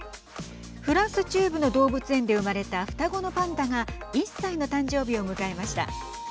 フランス中部の動物園で生まれた双子のパンダが１歳の誕生日を迎えました。